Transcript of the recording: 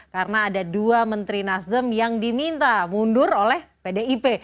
karena ada dua menteri nasdem yang diminta mundur oleh pdip